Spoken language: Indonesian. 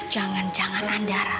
jangan jangan andara